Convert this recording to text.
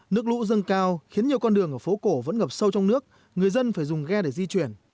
nước lũ dâng cao khiến nhiều con đường ở phố cổ vẫn ngập sâu trong nước người dân phải dùng ghe để di chuyển